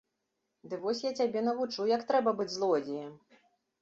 Ды вось я цябе навучу, як трэба быць злодзеем!